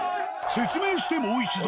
説明してもう一度。